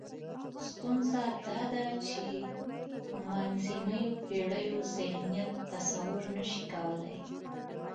ستونزه دا ده چې منځنیو پېړیو ذهنیت تصور نشي کولای.